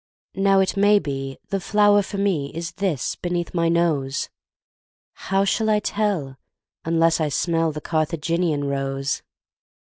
Now it may be, the flower for me Is this beneath my nose; How shall I tell, unless I smell The Carthaginian rose?